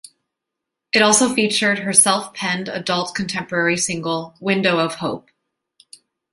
It also featured her self-penned adult contemporary single "Window of Hope".